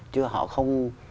chứ họ không